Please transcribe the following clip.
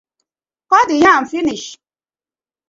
Kot de yam finish.